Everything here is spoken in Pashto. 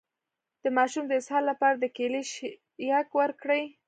د ماشوم د اسهال لپاره د کیلي شیک ورکړئ